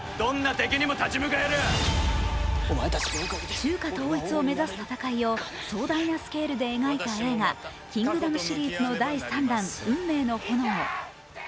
中華統一を目指す戦いを壮大なスケールで描いた映画「キングダム」シリーズの第３弾「運命の炎」。